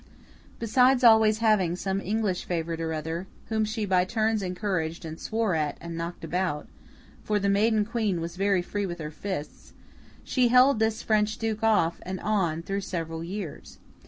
Besides always having some English favourite or other whom she by turns encouraged and swore at and knocked about—for the maiden Queen was very free with her fists—she held this French Duke off and on through several years.